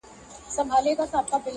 نغمه راغبرګه کړله!!